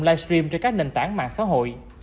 livestream trên các nền tảng mạng xã hội